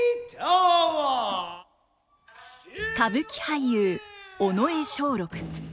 歌舞伎俳優尾上松緑。